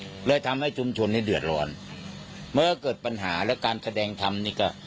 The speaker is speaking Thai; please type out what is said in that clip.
ก็เลยทำให้ชุมชนนี้เดือดร้อนมันก็เกิดปัญหาและการแสดงธรรมนี่ก็